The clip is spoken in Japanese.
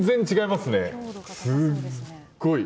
すごい。